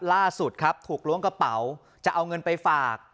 ล่าสุดครับถูกล้วงกระเป๋าจะเอาเงินไปฝาก